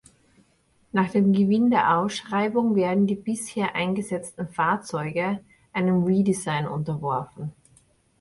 Nach dem Gewinn der Ausschreibung werden die bisher eingesetzten Fahrzeuge einem Redesign unterworfen.